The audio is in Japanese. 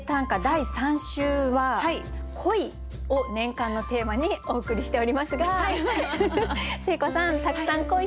第３週は「恋」を年間のテーマにお送りしておりますが誠子さんたくさん恋してますか？